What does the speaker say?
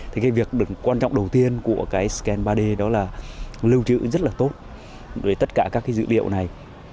thì cái việc quan trọng đầu tiên của cái scan ba d đó là lưu trữ rất là tốt tất cả các cái dữ liệu này